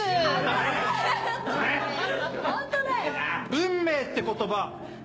「運命」って言葉